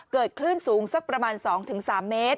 เกิดฝื้นสูงสักประมาณสองถึงสามเมตร